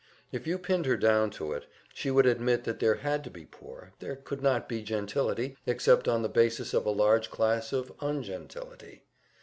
If you pinned her down to it, she would admit that there had to be poor; there could not be gentility, except on the basis of a large class of ungentility.